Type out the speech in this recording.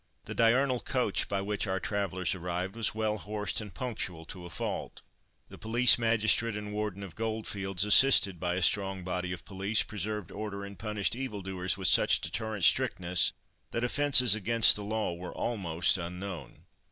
The diurnal coach, by which our travellers arrived, was well horsed and punctual to a fault. The police magistrate and warden of goldfields, assisted by a strong body of police, preserved order and punished evil doers with such deterrent strictness that offences against the laws were almost unknown.